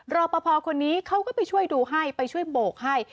รอปภคนนี้เขาก็ไปช่วยดูให้ไปช่วยโบกให้